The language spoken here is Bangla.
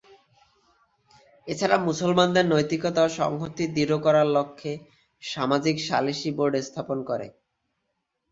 এছাড়া মুসলমানদের নৈতিকতা ও সংহতি দৃঢ় করার লক্ষ্যে সামাজিক সালিশি বোর্ড স্থাপন করে।